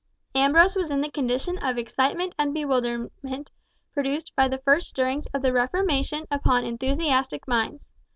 Ambrose was in the condition of excitement and bewilderment produced by the first stirrings of the Reformation upon enthusiastic minds.